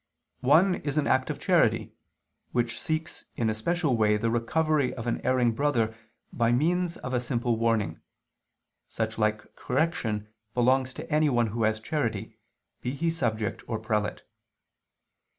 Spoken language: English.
One is an act of charity, which seeks in a special way the recovery of an erring brother by means of a simple warning: such like correction belongs to anyone who has charity, be he subject or prelate.